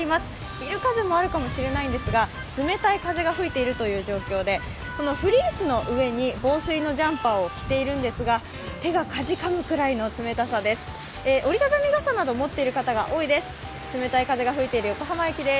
ビル風もあるかもしれないんですが、冷たい風が吹いているという状況でフリースの上に防水のジャンパーを着ているんですが、手がかじかむくらいの冷たさです。